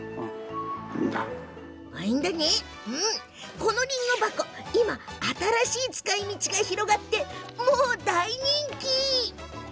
このりんご箱、今、新しい使いみちが広がって大人気なんです。